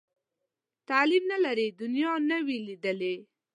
تعلیم نه لري، دنیا نه وي لیدلې.